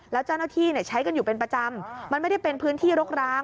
แล้วเจ้าหน้าที่ใช้กันอยู่เป็นประจำมันไม่ได้เป็นพื้นที่รกร้าง